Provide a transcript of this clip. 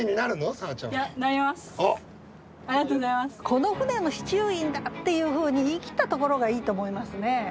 「この船の司厨員だ」っていうふうに言い切ったところがいいと思いますね。